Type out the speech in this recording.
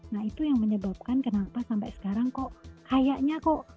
nah itu yang menyebabkan kenapa sampai sekarang kok kayaknya kok